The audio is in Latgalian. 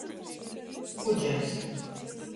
Kudžeļs.